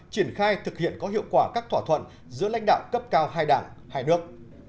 triển khai thực hiện có hiệu quả các thỏa thuận giữa lãnh đạo cấp cao hai đảng hai nước